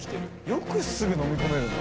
よくすぐ飲み込めるな。